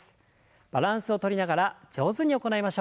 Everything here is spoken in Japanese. バランスをとりながら上手に行いましょう。